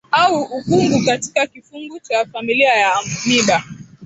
au ukungu katika kifungu cha familia ya amoeba